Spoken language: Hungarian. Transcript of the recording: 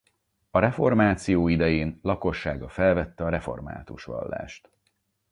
A reformáció idején lakossága felvette a református vallást.